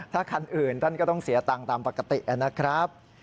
ถ้าคันอื่นท่านก็ต้องเสียตังค์ตามปกตินะครับ